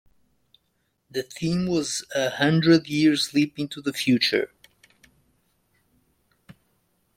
The theme was a hundred years leap into the future.